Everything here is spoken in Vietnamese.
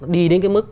đi đến cái mức